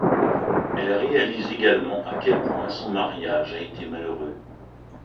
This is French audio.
Elle réalise également à quel point son mariage a été malheureux.